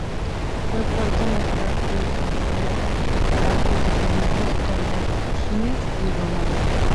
Fue puerto natural en el que fondearon barcos de fenicios, cartagineses y romanos.